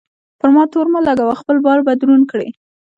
پر ما تور مه لګوه؛ خپل بار به دروند کړې.